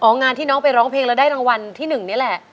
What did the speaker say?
งานที่น้องไปร้องเพลงแล้วได้รางวัลที่๑นี่แหละ